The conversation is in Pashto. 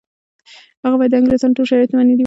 هغه باید د انګریزانو ټول شرایط منلي وای.